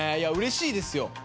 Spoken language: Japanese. うれしいですよ。